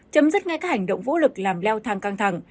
chấm dứt ngay các hành động vũ lực làm leo thang căng thẳng